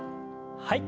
はい。